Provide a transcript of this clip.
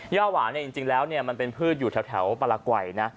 ย่าหวานเนี่ยจริงแล้วเนี่ยมันเป็นพืชอยู่แถวปลาไกว่นะ